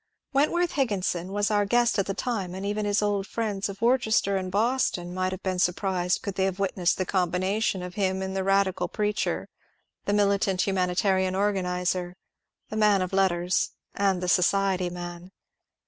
Went worth Higginson was our guest at the time, and even his old friends of Worcester and Boston might have been surprised could they have witnessed the combination in him of the radi cal preacher, the militant humanitarian organizer, the man of letters, and the ^^ society man."